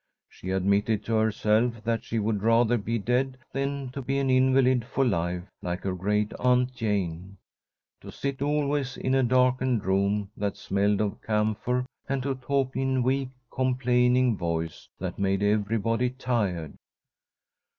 She admitted to herself that she would rather be dead than to be an invalid for life like her great aunt Jane. To sit always in a darkened room that smelled of camphor, and to talk in a weak, complaining voice that made everybody tired.